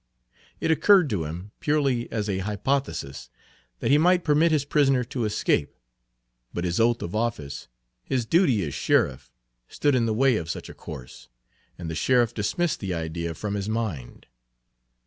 It occurred to him, purely as a hypothesis, that he might permit his prisoner to escape; but his oath of office, his duty as sheriff, stood in the way of such a course, and the sheriff dismissed the idea from his mind.